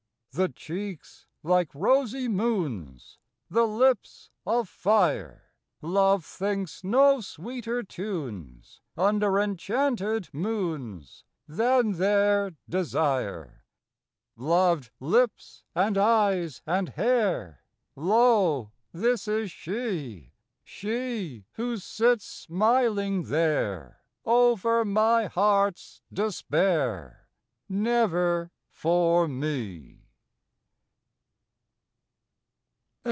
The cheeks, like rosy moons, The lips of fire; Love thinks no sweeter tunes Under enchanted moons Than their desire. Loved lips and eyes and hair, Lo, this is she! She, who sits smiling there Over my heart's despair, Never for me!